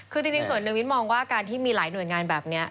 คือจริงส่วนหนึ่งมิ้นมองว่าการที่มีหลายหน่วยงานแบบนี้